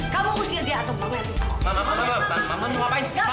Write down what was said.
kamu usia dia atau mama yang penting